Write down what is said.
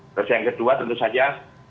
terus yang kedua tentu saja